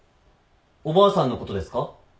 おばあさんのことですか？